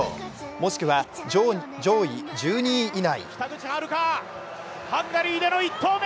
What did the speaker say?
もしくは上位１２位以内。